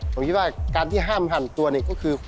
ผมคิดว่าการที่ห้ามหั่นตัวเนี่ยก็คือ